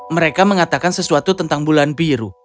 mereka mengatakan sesuatu tentang bulan biru